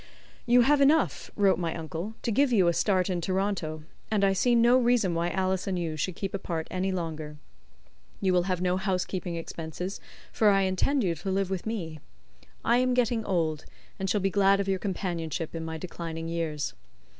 "You have enough," wrote my uncle, "to give you a start in Toronto, and I see no reason why Alice and you should keep apart any longer. You will have no housekeeping expenses, for I intend you to live with me. I am getting old, and shall be glad of your companionship in my declining years.